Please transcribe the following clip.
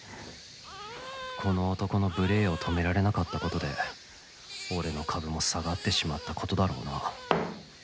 この男の無礼を止められなかったことで俺の株も下がってしまったことだろうな